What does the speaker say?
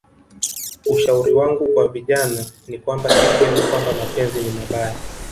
Ushauri wangu kwa vijana ni kwamba si kweli kwamba mapenzi ni mabaya